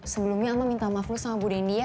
sebelumnya alma minta maaf sama bu dendi ya